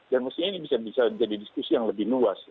dan mestinya ini bisa jadi diskusi yang lebih luas